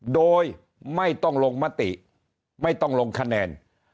โดยไม่ต้องลงมติไม่ต้องลงคะแนน